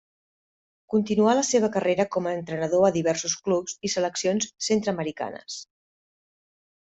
Continuà la seva carrera com a entrenador a diversos clubs i seleccions centre-americans.